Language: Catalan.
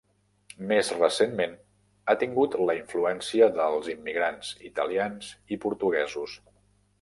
Més recentment, ha tingut la influència dels immigrants italians i portuguesos.